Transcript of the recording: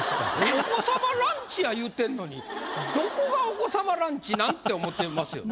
「お子様ランチ」やいうてんのにどこがお子様ランチなん？って思ってますよね？